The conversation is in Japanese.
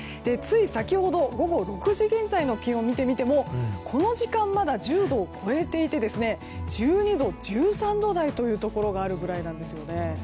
つい先ほど午後６時現在の気温を見てもこの時間まだ１０度を超えていて１２度、１３度台のところがあるぐらいなんですよね。